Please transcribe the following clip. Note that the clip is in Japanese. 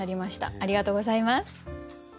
ありがとうございます。